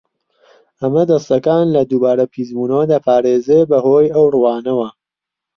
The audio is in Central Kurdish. ئەمە دەستەکان لە دووبارە پیسبوونەوە دەپارێزێت بەهۆی ئەو ڕووانەوە.